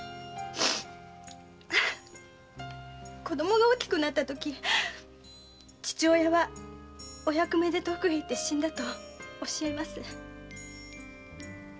子供が大きくなったとき父親はお役目で遠くに行って死んだと教えます。